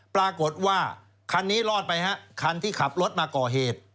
ปรากฏว่าคันนี้รอดไปฮะคันที่ขับรถมาก่อเหตุ